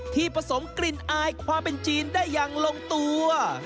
ผสมกลิ่นอายความเป็นจีนได้อย่างลงตัว